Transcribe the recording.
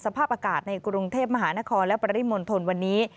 สภาพอากาศในกรุงเทพมหานครและปริมณฑลวันนี้